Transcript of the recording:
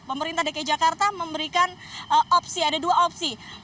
pemerintah dki jakarta memberikan opsi ada dua opsi